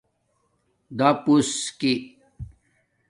دپُݸس کی